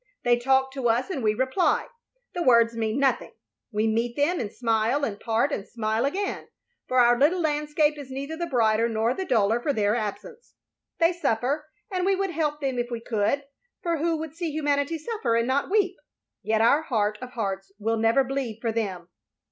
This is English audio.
They talk to us and we reply, — ^the words mean nothing ; we meet them and smile, and part and smile again; for our little landscape is neither the brighter nor the duller for their absence. They stiffer, and we would help them if we could, for who would see humanity suffer and not weep? Yet our heart of hearts will never bleed for them.